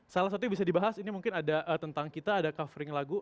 salah satunya bisa dibahas ini mungkin ada tentang kita ada covering lagu